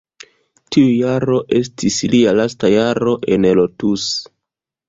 Tiu jaro estis lia lasta jaro en Lotus.